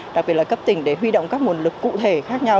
đặc biệt là cấp tỉnh để huy động các nguồn lực cụ thể khác nhau